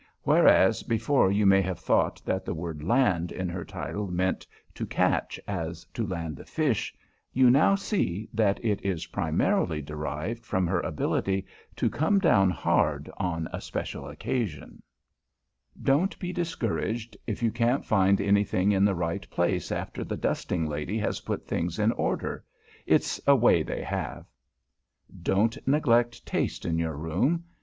Whereas, before you may have thought that the word "land" in her title meant to catch, as to land a fish, you now see that it is primarily derived from her ability to come down hard on a special occasion. [Sidenote: THE DUSTING LADY] Don't be discouraged if you can't find anything in the right place after the dusting lady has put things in order. It's a way they have. [Sidenote: YOUR ROOM] Don't neglect taste in your room.